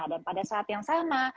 dan pada saat yang sama